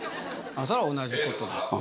そら同じことですね